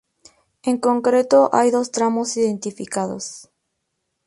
En concreto hay dos tramos identificados.